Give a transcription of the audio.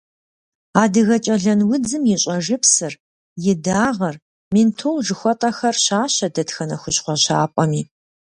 Адыгэкӏэлэн удзым и щӏэжыпсыр, и дагъэр, ментол жыхуэтӏэхэр щащэ дэтхэнэ хущхъуэ щапӏэми.